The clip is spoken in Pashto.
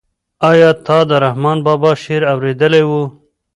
آیا تا د رحمان بابا شعر اورېدلی و؟